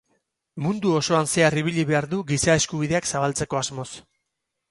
Mundu osoan zehar ibili behar du Giza Eskubideak zabaltzeko asmoz.